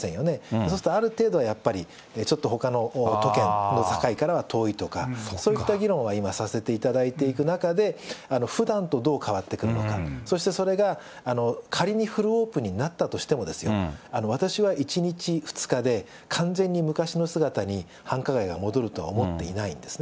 そうすると、ある程度はやっぱり、ちょっと、ほかの都県の境からは遠いとか、そういった議論を今、させていただいていく中で、ふだんとどう変わってくるのか、そしてそれが仮にフルオープンになったとしてもですよ、私は１日、２日で完全に昔の姿に繁華街が戻るとは思っていないんですね。